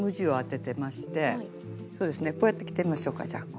こうやって着てみましょうかじゃあ。